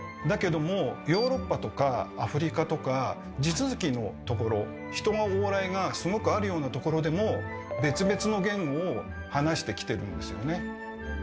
だけどもヨーロッパとかアフリカとか地続きのところ人の往来がすごくあるようなところでも別々の言語を話してきてるんですよね。